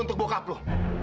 untuk bokap lo